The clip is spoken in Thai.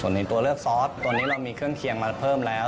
ส่วนในตัวเลือกซอสตอนนี้เรามีเครื่องเคียงมาเพิ่มแล้ว